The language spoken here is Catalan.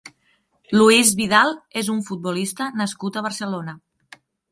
Luis Vidal és un futbolista nascut a Barcelona.